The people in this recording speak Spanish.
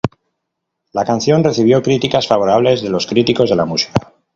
La canción recibió críticas favorables de los críticos de la música.